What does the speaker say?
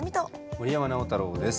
森山直太朗です。